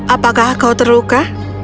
apakah kau terluka